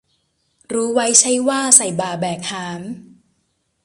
รู้ไว้ใช่ว่า ใส่บ่าแบกหาม